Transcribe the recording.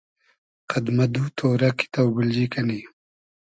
قئد مۂ دو تۉرۂ کی تۆبیلجی کئنی